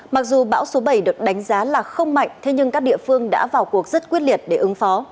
mặc dù bão số bảy được đánh giá là không mạnh thế nhưng các địa phương đã vào cuộc rất quyết liệt để ứng phó